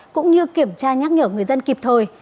cũng như kiểm tra nhắc nhở người dân kịp thời